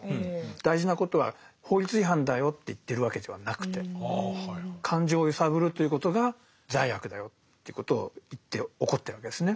大事なことは法律違反だよって言ってるわけではなくて感情を揺さぶるということが罪悪だよということを言って怒ってるわけですね。